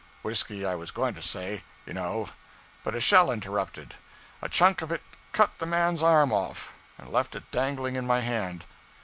Whiskey, I was going to say, you know, but a shell interrupted. A chunk of it cut the man's arm off, and left it dangling in my hand.